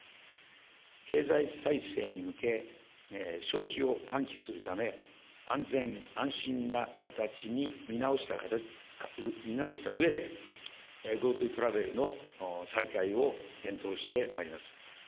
経済再生に向け、消費を喚起するため、安全・安心な形に見直したうえで、ＧｏＴｏトラベルの再開を検討してまいります。